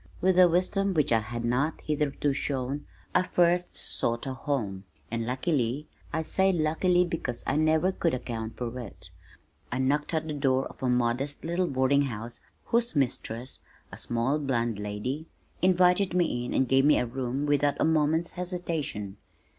With a wisdom which I had not hitherto shown I first sought a home, and luckily, I say luckily because I never could account for it, I knocked at the door of a modest little boarding house, whose mistress, a small blonde lady, invited me in and gave me a room without a moment's hesitation.